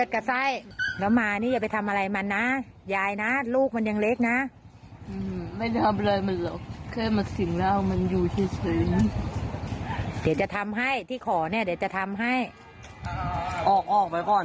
เคยมาสิงเรามันอยู่ที่สิง